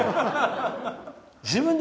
自分で。